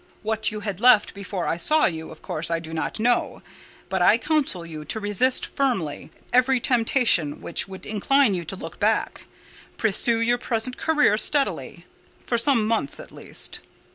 What you had left before I saw you, of course I do not know; but I counsel you to resist firmly every temptation which would incline you to look back: pursue your present career steadily, for some months at least."